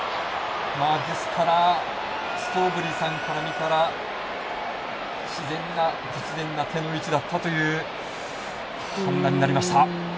ですからストーブリさんから見たら不自然な手の位置だったという判断になりました。